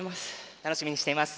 楽しみにしています。